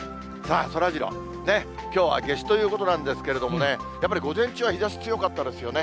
そらジロー、きょうは夏至ということなんですけどね、やっぱり午前中は日ざし強かったですよね。